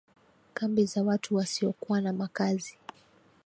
kambi za watu wasiokuwa na makazi